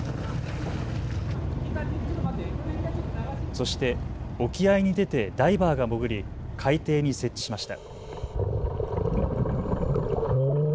そして沖合に出てダイバーが潜り海底に設置しました。